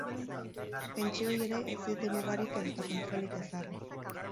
Pentsioei ere ez diete mugarik edota kontrolik ezarri.